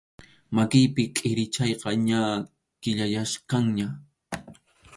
Makiypi kʼirichayqa ña kʼillayachkanña.